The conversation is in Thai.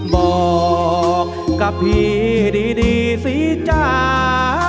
บอกกับพี่ดีสิจ๊ะ